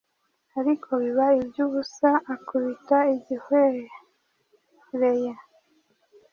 Arîko biba iby’ûbusâ akubita igihwêereye.